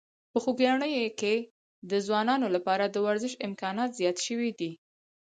په خوږیاڼي کې د ځوانانو لپاره د ورزش امکانات زیات شوي دي.